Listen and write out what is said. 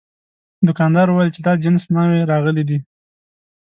دوکاندار وویل چې دا جنس نوي راغلي دي.